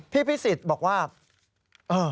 พี่พิษศิษย์บอกว่าเอ่อ